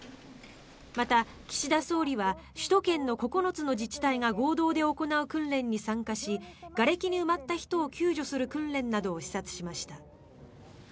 また、岸田総理は首都圏の９つの自治体が合同で行う訓練に参加しがれきに埋まった人を救助する訓練などを視察しました。